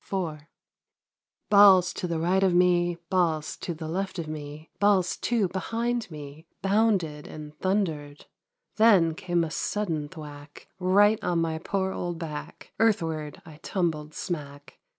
IV, Balls to the right of me ! Balls to the left of me ! Balls, too, behind me ! Bounded and thundered ! Then came a sudden thwack. Eight on my poor old back. Earthward I tumbled smack.